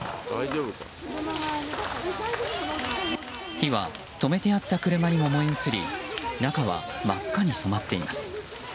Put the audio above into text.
火は止めてあった車にも燃え移り中は真っ赤に染まっています。